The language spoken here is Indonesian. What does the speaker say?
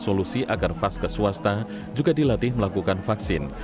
solusi agar vaskes swasta juga dilatih melakukan vaksin